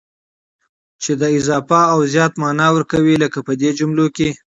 چي د اضافه او زيات مانا ور کوي، لکه په دې جملو کي: